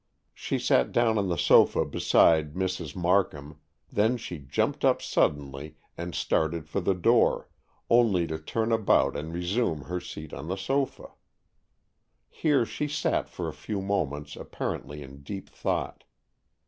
She sat down on the sofa beside Mrs. Markham, then she jumped up suddenly and started for the door, only to turn about and resume her seat on the sofa. Here she sat for a few moments apparently in deep thought.